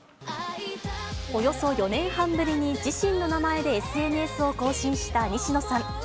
およそ４年半ぶりに、自身の名前でＳＮＳを更新した西野さん。